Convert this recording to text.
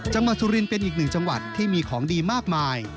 สุรินเป็นอีกหนึ่งจังหวัดที่มีของดีมากมาย